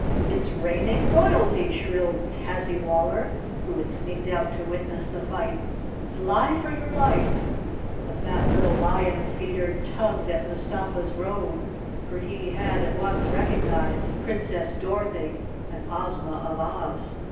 " It's raining royalty! " shrilled Tazzywaller, who had sneaked out to witness the fight. "Fly for your life! 274 Chapter Twenty The fat little lion feeder tugged at Mustafa's robe, for he had at once recognized Princess Dorothy and Ozma of Oz.